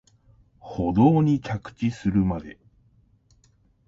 舗道に着地するまで